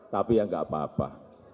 tapi yang enggak apa apa